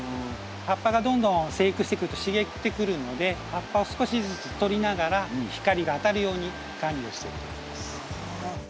葉っぱがどんどん生育してくると茂ってくるので葉っぱを少しずつ取りながら光が当たるように管理をしてっております。